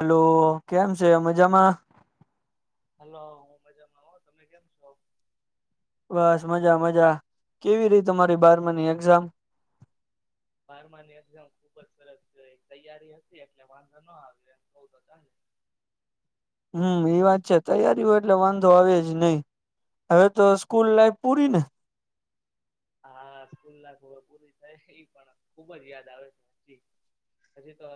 Hello કેમ છે મજામાં. હલો હું મજામાં આવ તમે કેમ છો. બસ મજા મજા કેવી રી તમારી બારમીની એક્ઝામ બારમા ની એામ ખુબ જ સરસ તૈયારી હતી એટલે વાંધો ન આવી એ તો. હમ એ વાત છે તૈયારીઓ એટલે વાંધો આવે જ નહી હવે તો સ્કૂલ લાઈફ પૂરી ને હા સ્કૂલ લાઇફ હવે પૂરી થાય એ પણ ખુબ જ યાદ આવે છે હજી હજી તો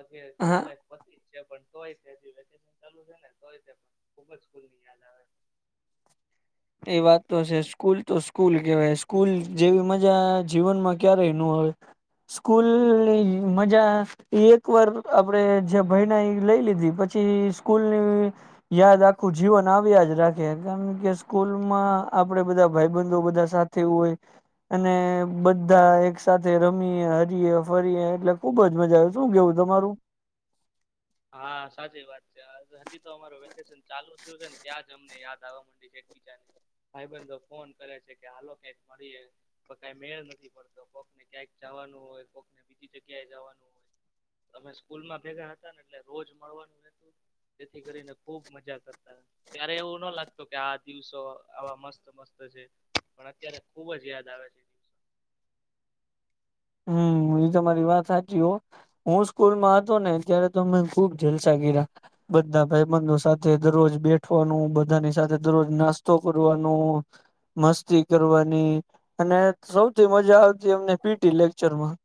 સ્કૂલ હા લાઇફ પત પણ તોય હ વેકેશ ચાલુ છેને તોય પણ ખુબ જ સ્ફૂલ ની યાદ આવે. એ વાત તો છે સ્કૂલ તો સ્કૂલ કેવાય સ્કૂલ જેવી મજા જીવનમાં ક્યારેય નો હોય સ્કૂલની મજા એક વાર આપડે જ્યા ભયણાએ લઈ લીધી પછી સ્કૂલ ની યાદ આખું જીવન આવ્યા જ રાખે કારણ કે સ્કૂલમાં આપડે બધા ભાઈબંધો બધા સાથે હોય અને બધા એક સાથેથે રમીએ હરીએ ફરીએ એટલે ખુબ જ મજા આવે શું કેવું તમારું હા સાચી વાત છે હજી તો અમાર વેકેશન ચાલુ થયું છે ને ત્યાં જ અમને યાદ આવવા માંડી છે એકબીજાને ભાઈબંધ ફોન કરે છે કે હાલો ક્યાંક મળીએ તો કઈ મેળ નથી પડતો કોકને ક્યાંક જવાનું હોય કોકને બીજી જગ્યાએ જવાનું હોય અમે સ્કૂલ માં ભેગા હતા એટલે રોજ મળવાનું રહેતું તેથી કરીને ખુબ મજા કરતા ત્યારે એવું ના લાગતું કે આ દિવસો આવા મસ્ત મસ્ત છે પણ અત્યારે ખુબ જ યાદ આવે છે. હમ એ તમારી વાત સાચી હો હું સ્કૂલમાં હતો ને ત્યારે તો અમે ખુબ જલસા ગીરા બધા ભાઈબંધો સાથે દરરોજ બેઠવાનું બધાની સાથે દરરોજ નાસ્તો કરવાનું મસ્તી કરવાની અને સૌથી મજા આવતી એમને પીટી લેક્ચરમાં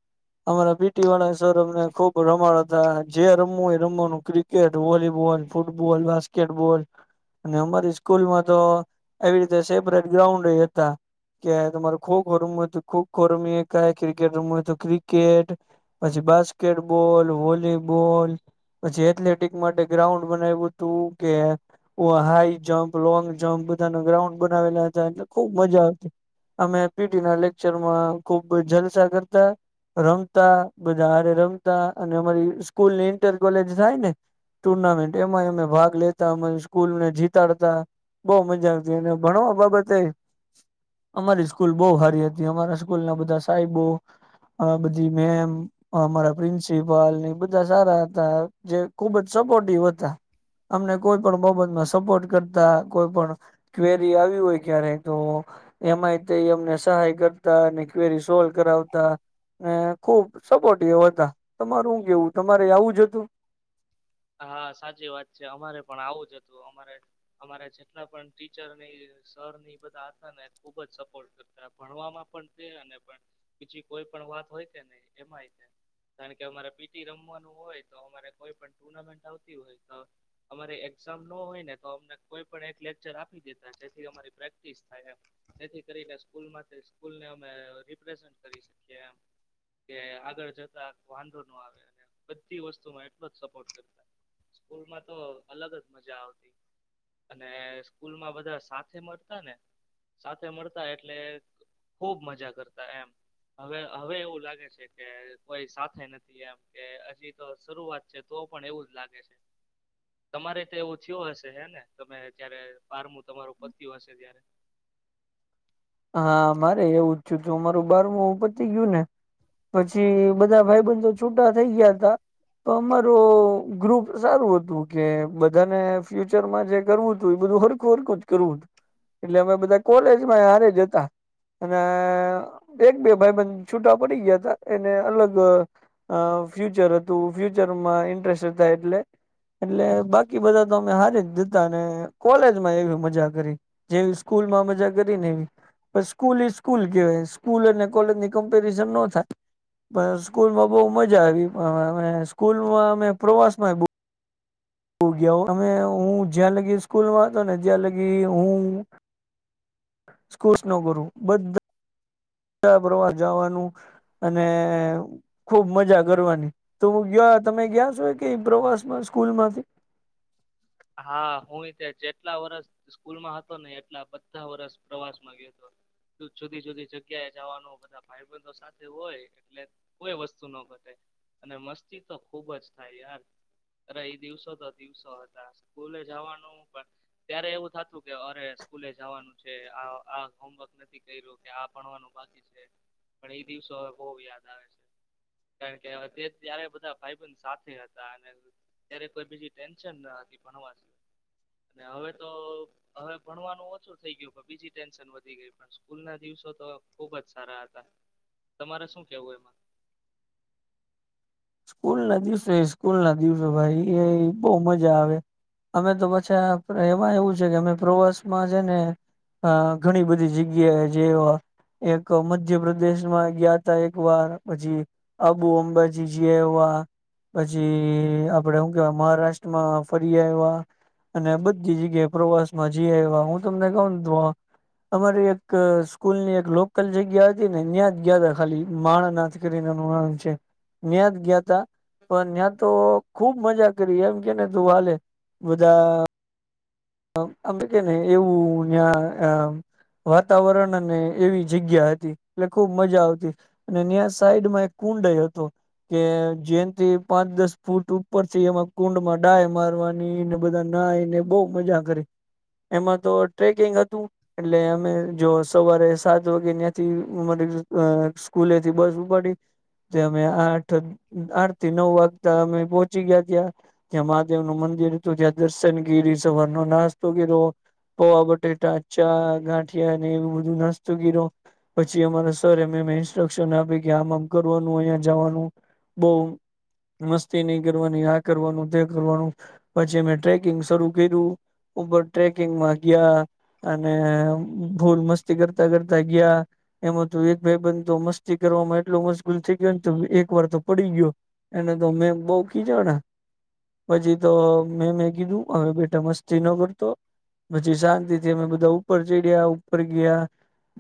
અમારા પીટી વાળા સર અમને ખુબ રમાડ જે રમવું હોય રમવાનું ક્રિકેટ વોલીબોલ ફૂટબોલ બાસ્કેટબોલ અને અમારી સ્કૂલમાં તો આવી રીતે સેપરેટ ગ્રાઉન્ડ હતા કે તમારે ખોખો રમવું ખોખો રમીએ કા કેટ રમવુ હોય તો ક્રિકેટ પછી બાસ્કેટબોલ, વોલી બોલ પછી એથ્લેટિક માટે ગ્રાઉન્ડ બનાવ્યું હતું કે હા હાઈ જંપ, લોંગ જમ્પ, બધાના ગ્રાઉન્ડ બનાવેલા હતા એટલે ખુબ મજા આવતી, અમે પીટી ના લેક્ચરમા ખૂબ જા કરતા, રમતા બધા હારે રમતા અને અમારી સ્કૂલની ઈન્ટર કોલેજ થાય ને ટુર્નામેન્ટ એમાએ અમે ભાગ લેતા, અમારી સ્કૂલને જીતાડતા, બહુ મજા આવતી અમે ભણવા બાબતે અમારી સ્કૂલ બહુ સારી હતી અમારા સ્કૂલ ના બધા સાહેબો, આ બધી મેમ અમારા પ્રિન્સિપાલ એ બધા સારા હતા જે ખુબ જ સપોર્ટિવ હતા. અમને કોઈ પણ બાબતમાં સપોર્ટ કરતા કોઈપણ ક્વેરી હોય ક્યારે તો એમાંય તેમની સહાય કરતા અને ક્વેરી સોલ કરાવતા અને ખુબ સપોટીવ હતા તમારું શું કેવું તમારે આવું જ હતું? હા સાચી વાત છે. અમારે પણ આવું જ હતું અમારે અમારે જેટલા પણ ટીચરની સરની બધા હતા ને ખુબ જ સપોર્ટ કરતા ભણવામાં પણ તે પણ બીજી કોઈ પણ વાત હોય કે નહી એમાંય. કારણ કે અમારે પીટી રમવાનું હોય તો અમારે કોઈ પણ ટુર્નામેન્ટ આવતી હોય તો અમારી એક્ઝામ નો હોય ને તો અમને કોઈ પણ એક લેક્ચર આપી દેતા જેથી અમારી પ્રેક્ટિસ થાય એમ જેથી કરીને સ્કૂલમાંથી સ્કૂલને અમે રિપ્રેઝન્ટ કરી શકીએ એમ કે આગળ જતા વાંધો નો આવે અને બધી વસ્તુમાં એટલોજ સપોર્ટ કરતા. સ્કૂલમાં તો અલગ જ મજા આવતી અને સ્કૂલમાં બધા સાથે મળતા ને સાથે મળતા એટલે ખુબ મજા કરતા એમ હવે હવે એવું લાગે છે કે કોઈ સાથે નથી એમ કે હજી તો શરૂઆત તો પણ એવું જ લાગે છે તમારે તો એવું થયો હશે હેને તમે જ્યારે બારમું તમારો પત્યું હશે ત્યારે. હા મારે એવું જ થયુ તું અમારું બારમું પતી ગયું ને પછી બધા ભાઈ બંધ તો છૂટા થઈ ગયા હતા. તો અમારુ ગ્રુપ સારું હતું કે બધાને ફ્યુચરમાં જે કરવું હતું એ બધું હરખું વરખું જ કરવું હતું. એટલે અમે બધા કોલેજમાં હારે જ જતા અને એક બે ભાઈ બંધ છૂટા પડી ગયા હતા. એને અલગ અ ફ્યુચર હતું. ફ્યુચરમાં ઇન્ટરેસ્ટ હતા એટલે એટલે બાકી બધા તો અમે હારી જ જતા અને કોલેજમાં એવી મજા કરી જેવી સ્કૂલમાં મજા કરીને એવી પછ સ્કૂલ ઈ સ્કૂલ કેવાય સ્કૂલ અને કોલેજની કમ્પેરિઝન નો થાય. પણ સ્કૂલમાં બહુ મજા આવી પણ હવે અ સ્કૂલમાં અમે પ્રવાસમાં બો હું ગયા હો અમે હું જ્યાં લગી સ્કૂલમાં હતો ને ત્યાં લગી હું સ્કુસ નો ગુરું બધા પ્રવાસ જવાનું અને ખુબ મજા કરવાની તો હું ગ્યા તમે ગયા છો કે પ્રવાસ માં સ્કૂલમાંથી? હા હું જેટલા વરસ સ્કૂલમાં હતો ને એટલા બધા વરષ પ્રવાસમાં ગયો હતો. જુદી જુદી જગ્યા એ જવાનું બધા ભાઈ બંધો સાથે હોય એટલે કોઈ વસ્તુ ન ઘટે અને મસ્તી તો ખુબ જ થાય યાર. અરે ઈ દિવસો તો દિવસો હતા. સ્કૂલે જાવાનું પણ ત્યારે એવું થતું કે અરે સ્કૂલે જવાનું છે આ આ હોમવર્ક નથી કર્યું કે આ ભણવાનું બાકી છે. પણ એ દિવસો હવે બહુ યાદ આવે છે. કારણ કે હવે તે ત્યારે બધા ભાઈ બન સાથે હતા અને ત્યારે કોઈ બીજી ટેન્શન ના હતી. ભણવા સીવા. અને હવે તો હવે ભણવાનું ઓછું થઈ ગયું પણ બીજી ટેન્શન વધી ગઈ પણ સ્કૂલ ના દિવસો તો ખુબ જ સારા હતા. તમારે શું કેવું એમાં? સ્કૂલ ના દિવસે સ્કૂલ ના દિવસે ભાઈ એ બહુ મજા આવે. અમે તો પાછા આપડે એમાં એવું છે કે અમે પ્રવાસ માં છે ને અ ઘણી બધી જગ્યા જે આ એક મધ્યપ્રદેશમાં ગયા તા એક વાર પછી આબુ અંબાજી જી આયવા પછી આપડે હુ કેવા મહારાષ્ટ્રમાં ફરી આવવા અને બધી જગ્યાએ પ્રવાસ માં જી આયવા. હું તમને કવ તો અમારી એક સ્કૂલની એક લોકલ જગ્યા હતી ને ન્યા જ ગયાદા ખાલી માણ નાથ કરીને [unintelligible] છે. ન્યાત ગ્યા તા પણ ત્યા તો ખુબ મજા કરી એમ કેને તું હાલે બધા આમ તો કેને એવું ત્યાં વાતાવરણ અને એવી જગ્યા હતી એટલે ખુબ મજા આવતી અને ન્યા સાઈડમાં એક કુંડ એ હતુ કે જેથી પાંચ દસ ફૂટ ઉપરથી એમાં કુંડ માં ડાય મારવાની ને બધા નાય ને બવ મજા કરી એમાં તો ટ્રેકિંગ હતું એટલે અમે જો સવારે સાત વાગે ન્યાથી અમારી સ્કૂલેથી બસ ઉપાડી. અમે આઠ આઠ થી નવ વાગતા અમે પહોચી ગયા ત્યાં. ત્યા મહાદેવ નું મંદિર હતું ત્યાં દર્શનગીરી સવાર નાસ્તો કર્યો પવા બટેટા, ચા, ગાંઠિયા એવું બધું નાસ્તો કર્યો પછી અમારા સર અમે ઇન્સ્ટ્રક્શન આપી કે આમ આમ કરવાનું, અહીયા જવાનું, બહુ મસ્તી નહી કરવાની, આ કરવાનું, તે કરવાનું. પછી મે ટ્રેકિંગ શરૂ કર્યું. ઉપર ટ્રેકિંગમાં ગયા અને ભૂલ મસ્તી કરતા કરતા ગયા એમાં તો એક ભાઈ બન તો મસ્તી કરવામાં એટલો મશગુલ થઈ ગયોને તો એક વાર તો પડી ગયો એને તો મે બહુ ખીજાડા પછી તો મેમે કીધું હવે બેટા મસ્ નો કરતો. પછી શાંતિ થી અમે બધા ઉપર ચડ્યા ઉપર ગયા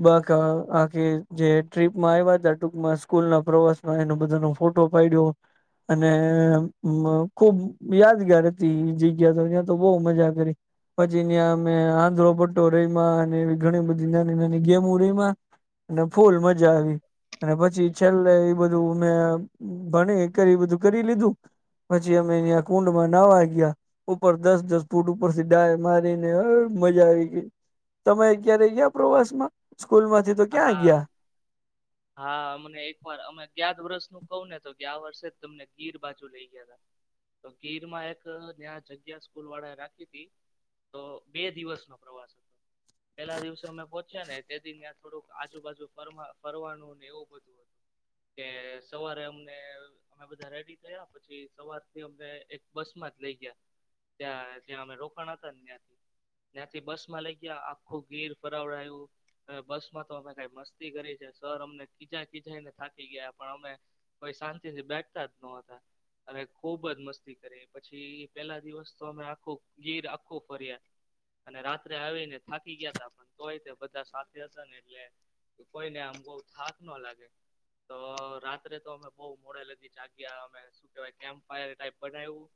બાકા આખી જે ટ્રીપમાં આવ્યા હતા. ટૂકમાં સ્કૂલ ના પ્રવાસમાં એનો બધાનો ફોટો પાડ્યો અને આમ ખુબ યાદગાર હતી એ જગ્યા તો ત્યા તો બવ મજા પછીં ન્યા અમે આંધળો પટ્ટો રયમા અને એવી ઘણી બધી નાની નાની ગેમો રયમાં અને ફૂલ મજ મજા આવી અને પછી છેલ્લે એ બધું મે ભણી કરી એ બધું કરી લીધું પછી અમે અયા કુંડમાં નાવા ગયા ઉપર દસ દસ ફૂટ ઉપર થી ડાય મારીને એય મજા આવી ગઈ. તમે ક્યારે ગયા પ્રવાસ માં? હા હા અમને એક વાર અમે ગયાત્ વર્ષનું કહુ ને તો કે ગ્યા વર્ષે જ તમને ગીર બાજુ લઈ ગયા તા. તો ગીર માં એક ન્યા જગ્યા સ્કૂલ વાળા એ રાખી તી. તો બે દિવસ નો પ્રવાસ [inaudible] પેલા દિવસે અમે પોહચ્યા ને તેથી ન્યા આજુબાજુ ફરવા ફરવાનું ને એવું બધું હતું કે સવારે અમને અમે બધા રેડી થયા પછી સવારથી અમને એક બસ માં જ લઈ ગયા ત્યાં જ્યાં અમે રોકાણા તા ને ત્યાં ન્યાથી બસ માં લઈ ગયા આખું ગીર ફરવાયું અ બસ તો અમે કઈ મસ્તી કરી છે સર અમને કીજા કીજાઈને થાકી ગયા પણ અમે કઈ શાંતિ થી બેઠતા જ ન હતા અને ખુબ જ મસ્તી કરી. પછી પેલા દિવસ તો અમે આખું ગીર આખું ફર્યા અને રાત્રે આવીને થાકી ગયા તા પણ તોય બધા સાથે હતા ને એ કોઈને આમ બહુ થાક નો લાગે તો રાત્રે તો અમે બહુ મોડે લગી જાગ્યા અમે શું કેવાય કેમ્પ ફાયર ટાઇપ બનાવ્યું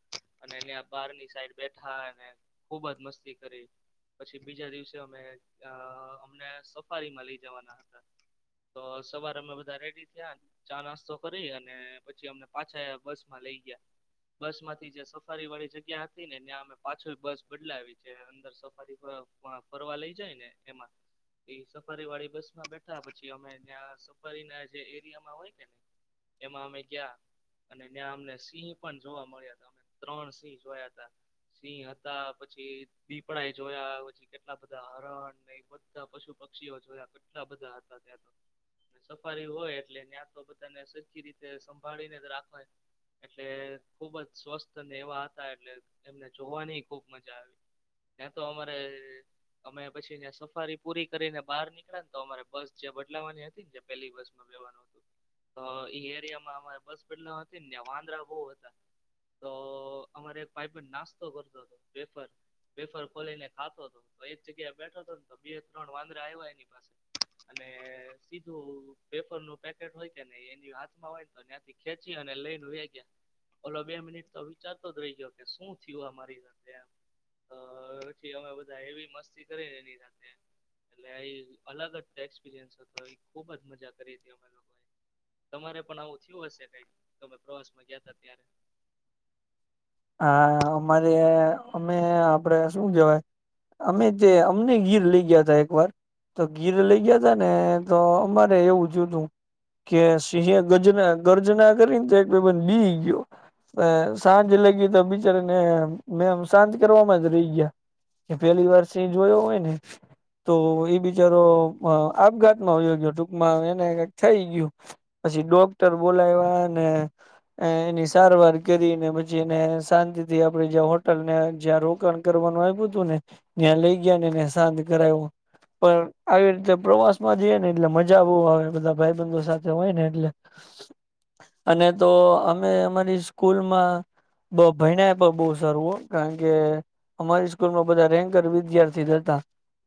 અને એ બારની સાઈડ બેઠા અને ખુબ જ મસ્તી કરી. પછી બીજા દિવસે અમે અ અમને સફારી માં લઈ જવાના હતા. તો સવારે અમે બધા રેડી થયા. ચા નાસ્તો કરી અને પછી અને પાછા બસ માં લઈ ગયા. બસ માંથી જે સફારી વાળી જગ્યા હતી ને એ અમે પાછો બસ બદલાવી છે અંદર સફારી ફ ફરવા લઈ જાય ને એમાં. ઈ સફારી વાળી બસમાં બેઠા પછી અમે ન્યા સફારી ના જે એરિયામાં હોય કે ને એમાં અમે ગયા અને ન્યા અમને સિંહ પણ જોવા મળ્યા હતા અમે ત્રણ સિંહ જોયા હતા. સિંહ હતા, પછી દીપડા એ જોયા પછી કેટલા બધા હરણ બધા પશુ પક્ષીઓ જોયા કેટલા બધા હતા ત્યાં તો. સફારી હોય એટલે ન્યા તો બધાને સરખી રીતે સંભાળીને જ રાખવા. એટલે ખુબ જ સ્વસ્થ અને એવા હતા એટલે એમને જોવાની ખુબ મજા આવી. ત્યાં તો અમારે અમે પછી ન્યા સફારી પૂરી કરીને બહાર નીકળ્યા ને તો અમારે બસ જે બદલાવાની હતી ને જે પેલી બસ માં બેવાનું હતું. તો એરિયામાં અમારે બસ બદલાવા હતી ને વાંદરા બહુ હતા. તો અમારે એક પાઇપ નાસ્તો કરતો હતો બેફર. બેફર ખોલીને ખાતો હતો તો એક જગ્યા બેઠો હતો ને તો બે ત્રણ વાંદરા આયવા એની પાસે અને સીધું પેપર નું પેકેટ હોય કે નઈ એની હાથમાં હોય તો ત્યાંથી ખેચી ને લઈને વઈ ગયા. ઓલો બે મિનિટ તો વિચારતો જ રહી ગયો કે શું થયું મારી સાથે એમ. તો પછી અમે બધા એવી મસ્તી કરી એની સાથે એટલે [unintelligible] અલગ જ એક્સપિરિયન્સ હતો ઈ ખુબ જ મજા કરી તી અમે લોકો એ. તમારે પણ આવું થયું હશે કઈક તમે પ્રવાસમાં ગયા તા ત્યારે? હા અમારે અમે આપડે શું કેવાય અમે જે અમને ગીર લઈ ગયા તા એક વાર તો ગીર લઈ ગયા તા ને તો અમારે એવું થયું તું કે સિંહે ગજના ગર્જના કરીને તો એક ભઈ બન ની ગયો અ સાંજ લે એ ત બિચારો મેં અમ શાંત કરવાવામાં જ રહી ગયા કે પેલી વાર સિંહ જોયો હોય ને તો એ બિચારો એ આપઘાતમાં આવયો ગયો ટૂંકમાં એને થઈ ગયું પછી ડોક્ટર બોલાવ્યા ને એની સારવાર કરીને પછ જેને શાંતિ થી આપડે જ્યાં હોટલ ને જ્યાં રોકાણ કરવાનું આયપુ તું ને ત્યાં લઈ ગયા ને મેં શાંત કરાવું પણ આવી રીતે પ્રવાસ માં જઈ ને એટલે મજા બહુ હોય બધા ભાઈબંધો સાથે હોય ને એટલે અને તો અમે અમારી સ્કૂલમાં બ ભયના પણ બઉ સારું હ કારણ કે અમારી સ્કૂલમાં બધા રેન્કર વિદ્યાર્થી જ હતા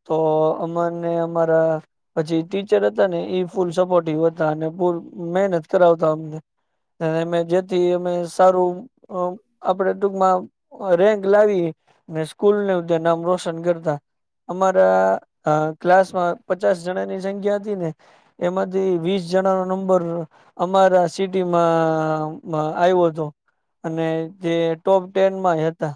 તો અમાને અમારા પછી ટીચર હતા ને એ ફૂલ સપોર્ટિવ હતા અને પૂલ મહેનત કરાવતા અમને જેથી અમે સારું અ આપડે ટૂકમાં રેન્ક લાવી ને સ્કૂલને ધ નામ રોશન કરતા અમારા અ ક્લાસમાં પચાસ જણાની જગ્યા હતી ને એમાંથી વીસ જણા નો નંબર અમારા સિટીમાં માં આવ્યો હતો. અને જે ટોપ ટેનમાંય હેતા.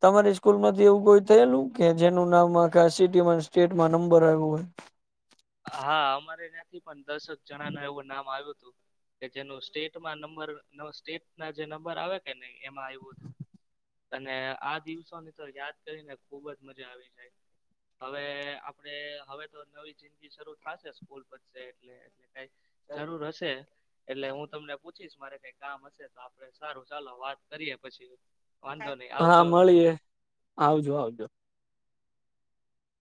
તમારી સ્કૂલમાંથી એવું કોઈ થયેલું કે જેનું નામ આખા સિટીમાં સ્ટેટમાં નંબર આવ્યું હોય. હા અમારે ત્યાથી પણ દસ જ જણા નુ એવું નામ આયુ તુ કે જેનું સ્ટેટમાં નંબર સ્ટેટ ના જે નંબર આવે કે નઈ એમાં આવ્યું હતું. અને આ દિવસોની તો યાદ કરીને ખુબજ મજા આવી જાય હવે આપડે હવે તો નવી થી સરુ થાશે સ્કૂલ પતશે એટલે કઈ જરૂર હશે એટલે હું તમને પૂછીશ મારે કઈ કામ હશે તો આપડે સારું ચાલો વાત કરીએ પછી. વાંધો નહી હા આવજો મલયે આવજો આવજો.